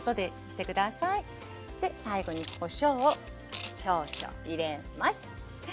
最後にこしょうを少々入れます。